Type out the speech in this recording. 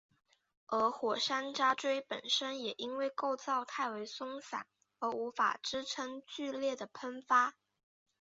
而火山渣锥本身也因为构造太为松散而无法支撑剧烈的喷发。